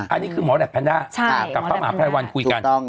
อันนี้คือหมอแหลปแพนด้ากับพระมหาภัยวันคุยกัน